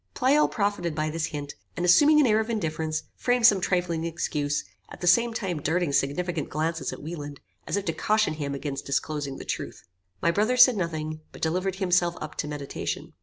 Pleyel profited by this hint, and assuming an air of indifference, framed some trifling excuse, at the same time darting significant glances at Wieland, as if to caution him against disclosing the truth. My brother said nothing, but delivered himself up to meditation.